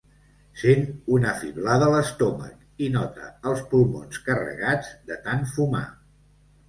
Sent una fiblada a l'estómac i nota els pulmons carregats, de tant fumar.